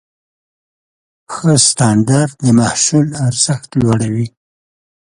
ښه سټنډرډ د محصول ارزښت لوړوي.